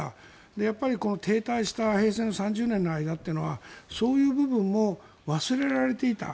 やっぱり停滞した平成の３０年の間というのはそういう部分も忘れられていた。